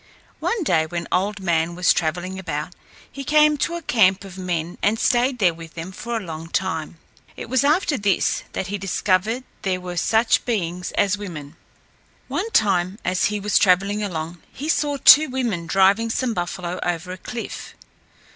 One day when Old Man was travelling about, he came to a camp of men, and stayed there with them for a long time. It was after this that he discovered there were such beings as women. One time, as he was travelling along, he saw two women driving some buffalo over a cliff.